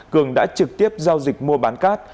cường đã trực tiếp giao dịch mua bán cát